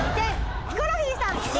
ヒコロヒーさん９９点！